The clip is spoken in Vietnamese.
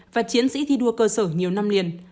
và chiến sĩ thi đua cơ sở nhiều năm liền